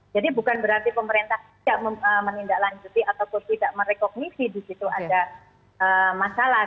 jadi bukan berarti pemerintah tidak menindaklanjuti atau tidak merekognisi disitu ada masalah